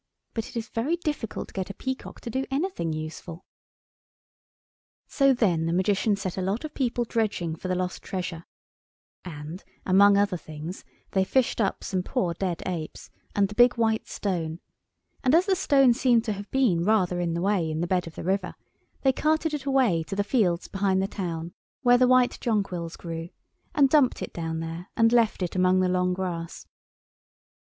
But it is very difficult to get a peacock to do anything useful. So then the Magician set a lot of people dredging for the lost treasure; and, among other things, they fished up some poor dead apes and the big white stone, and as the stone seemed to have been rather in the way in the bed of the river, they carted it away to the fields behind the town, where the white jonquils grew, and dumped it down there, and left it among the long grass.